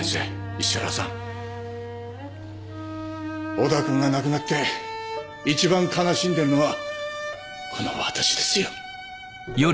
小田君が亡くなって一番悲しんでるのはこのわたしですよ。